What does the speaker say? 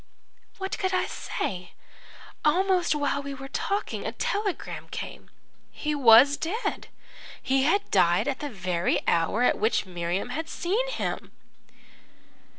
"What could I say? Almost while we were talking a telegram came. He was dead he had died at the very hour at which Miriam had seen him."